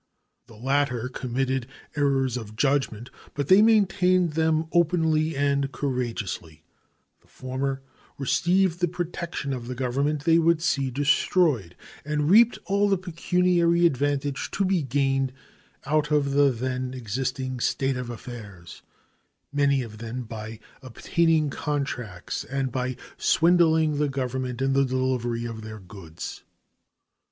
The latter committed errors of judgment, but they maintained them openly and courageously; the former received the protection of the Government they would see destroyed, and reaped all the pecuniary advantage to be gained out of the then existing state of affairs, many of them by obtaining contracts and by swindling the Government in the delivery of their goods.